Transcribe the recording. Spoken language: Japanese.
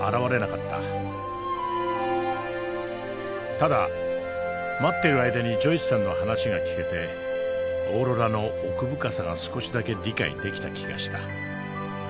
ただ待っている間にジョイスさんの話が聞けてオーロラの奥深さが少しだけ理解できた気がした。